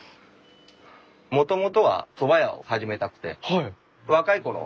もともとはそば屋を始めたくて若いころ